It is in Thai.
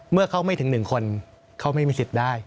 เมื่อเขาไม่ถึง๑คนเขาไม่มีสิทธิ์ได้